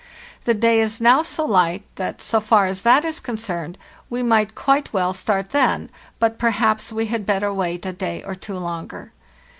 The day is now so light that, so far as that is concerned, we might quite well start then; but perhaps we had better wait a day or two longer.